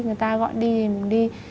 người ta gọi đi thì mình đi